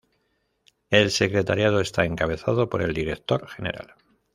El Secretariado está encabezado por el Director General.